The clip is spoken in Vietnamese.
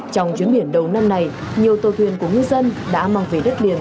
trong chuyến biển đầu năm này nhiều tàu thuyền của ngư dân đã mang về đất liền